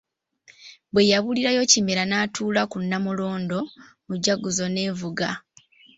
Bwe yabulirayo Kimera n’atuula ku Nnamulondo, mujaguzo n'evuga.